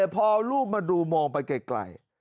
พอเอารูปมาดูมองไปไกล